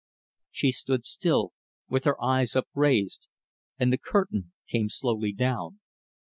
She stood still, with her eyes upraised, and the curtain came slowly down.